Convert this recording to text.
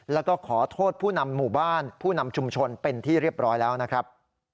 แล้วก็ขอโทษผู้นำหมู่บ้านผู้นำชุมชนเป็นที่เรียบร้อยแล้วนะครับ